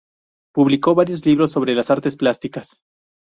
Publicó varios libros sobre las artes plásticas.